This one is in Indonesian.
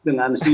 dengan si a